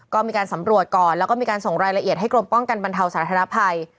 ก็มีการสำรวจก่อนแล้วก็มีการส่งรายละเอียดให้กรมป้องกันบรรเทาสาธารณภัย